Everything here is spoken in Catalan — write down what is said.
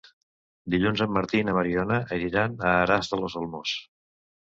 Dilluns en Martí i na Mariona aniran a Aras de los Olmos.